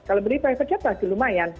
kalau beli private nya pasti lumayan